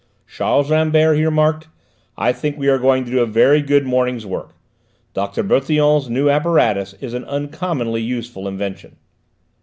"Charles Rambert," he remarked, "I think we are going to do a very good morning's work. Dr. Bertillon's new apparatus is an uncommonly useful invention."